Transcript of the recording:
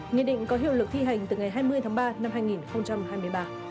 nghị định có hiệu lực thi hành từ ngày hai mươi tháng ba năm hai nghìn hai mươi ba